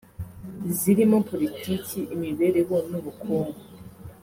zirimo politiki imibereho n’ubukungu